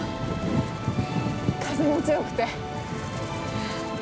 風も強くて。